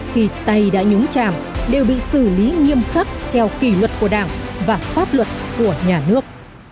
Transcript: khi tay đã nhúng chàm đều bị xử lý nghiêm khắc theo kỷ luật của đảng và pháp luật của nhà nước